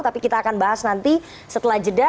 tapi kita akan bahas nanti setelah jeda